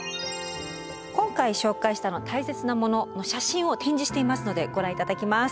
今回紹介した「たいせつなもの」の写真を展示していますのでご覧頂きます。